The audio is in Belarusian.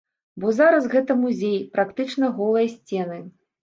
Бо зараз гэта музей, практычна голыя сцены.